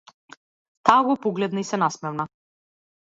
Таа го погледна и се насмевна.